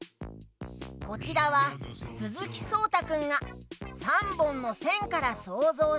こちらはすずきそうたくんが「３ぼんのせん」からそうぞうしたえ。